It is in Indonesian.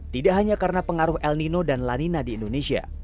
tidak hanya karena pengaruh el nino dan lanina di indonesia